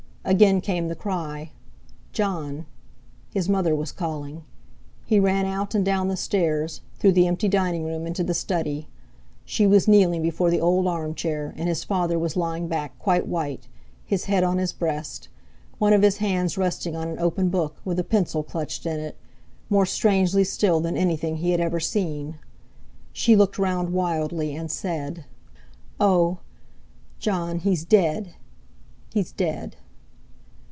Again came the cry: "Jon!" His mother was calling! He ran out and down the stairs, through the empty dining room into the study. She was kneeling before the old armchair, and his father was lying back quite white, his head on his breast, one of his hands resting on an open book, with a pencil clutched in it—more strangely still than anything he had ever seen. She looked round wildly, and said: "Oh! Jon—he's dead—he's dead!"